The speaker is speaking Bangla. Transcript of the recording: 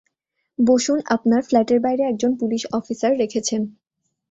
বসুন আপনার ফ্ল্যাটের বাইরে একজন পুলিশ অফিসার রেখেছেন।